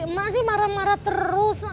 mak sih marah marah terus ah